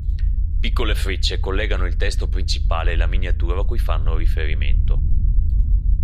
Piccole frecce collegano il testo principale e la miniatura cui fanno riferimento.